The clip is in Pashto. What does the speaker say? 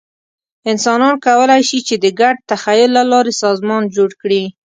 انسانان کولی شي، چې د ګډ تخیل له لارې سازمان جوړ کړي.